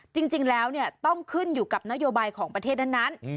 จริงแล้วต้องขึ้นอยู่กับนโยบายของประเทศนั้น